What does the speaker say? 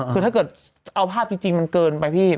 คือถ้าเกิดเอาภาพจริงมันเกินไปพี่